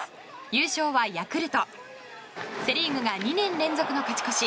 優勝はヤクルトセ・リーグが２年連続の勝ち越し。